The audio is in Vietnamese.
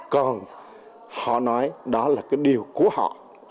còn họ nói đó là cái điều của họ